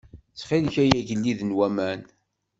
Txil-k ay Agellid n waman.